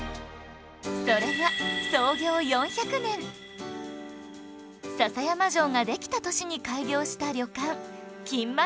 それが創業４００年篠山城ができた年に開業した旅館近又で食べられる